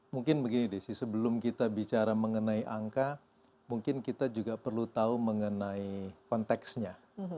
mungkin begini desi sebelum kita bicara mengenai angka mungkin kita juga perlu tahu mengenai konteksnya